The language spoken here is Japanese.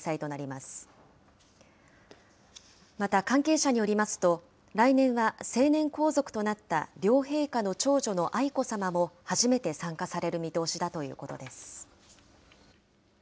また関係者によりますと、来年は成年皇族となった、両陛下の長女の愛子さまも初めて参加される見通しだということです。